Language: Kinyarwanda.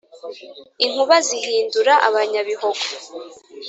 inkuba zihindura abanyabihogo